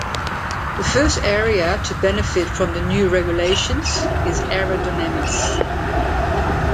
The first area to benefit from the new regulations is aerodynamics.